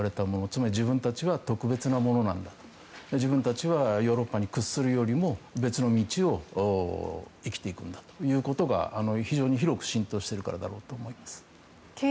つまり自分たちは特別な者なんだと自分たちはヨーロッパに屈するよりも別の道を生きていくんだということが非常に広く浸透しているからだろうと思います。